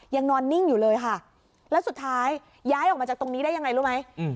ยังนอนนิ่งอยู่เลยค่ะแล้วสุดท้ายย้ายออกมาจากตรงนี้ได้ยังไงรู้ไหม